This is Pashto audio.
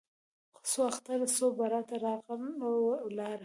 څو اختره څو براته راغله ولاړه